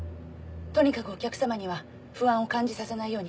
とにかくお客さまには不安を感じさせないように気を付けます。